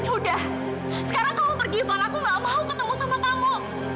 udah sekarang kamu pergi van aku gak mau ketemu sama kamu